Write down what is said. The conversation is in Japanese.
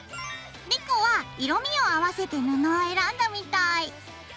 莉子は色みを合わせて布を選んだみたい。